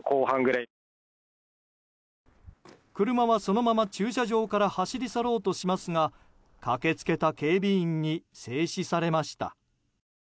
車はそのまま駐車場から走り去ろうとしますが駆けつけた警備員に制止されました。